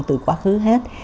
từ quá khứ hết